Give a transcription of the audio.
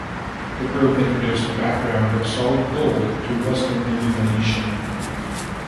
The group introduced the background of solid gold to Western illumination.